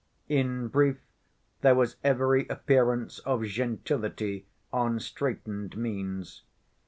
In brief there was every appearance of gentility on straitened means.